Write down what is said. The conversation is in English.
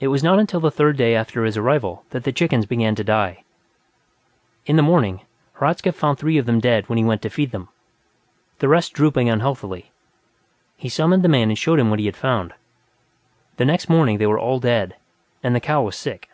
It was not until the third day after his arrival that the chickens began to die. In the morning, Hradzka found three of them dead when he went to feed them, the rest drooping unhealthily; he summoned the man and showed him what he had found. The next morning, they were all dead, and the cow was sick.